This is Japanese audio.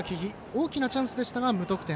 大きなチャンスでしたが無得点。